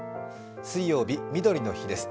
水曜日、みどりの日です。